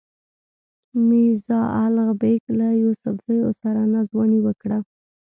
میرزا الغ بېګ له یوسفزیو سره ناځواني وکړه.